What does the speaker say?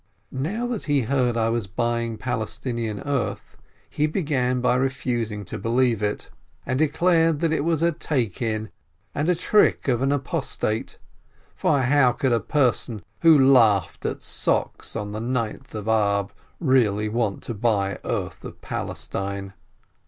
Now that he heard I was buying Palestinian earth, he began by refusing to believe it, and declared it was a take in and the trick of an apostate, for how could a person who laughed at socks on the Ninth of Ab really want to buy earth of Palestine?